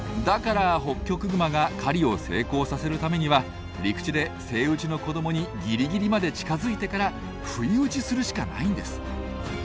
だからホッキョクグマが狩りを成功させるためには陸地でセイウチの子どもにギリギリまで近づいてから不意打ちするしかないんです。